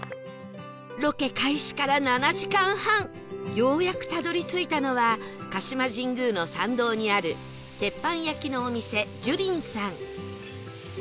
ロケ開始から７時間半ようやくたどり着いたのは鹿島神宮の参道にある鉄板焼きのお店樹林さん